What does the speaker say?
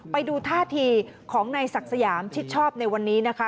ไปดูท่าทีของนายศักดิ์สยามชิดชอบในวันนี้นะคะ